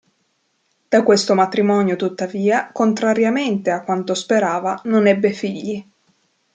Da questo matrimonio, tuttavia, contrariamente a quanto sperava, non ebbe figli.